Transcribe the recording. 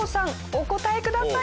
お答えください。